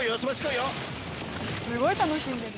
「すごい楽しんでる」